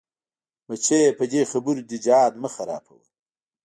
بچيه په دې خبرو دې جهاد مه خرابوه.